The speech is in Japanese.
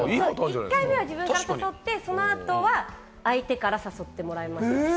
１回目は自分から誘って、その後は相手から誘ってもらいました。